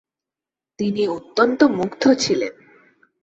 তিনি অত্যন্ত মুগ্ধ ছিলেন।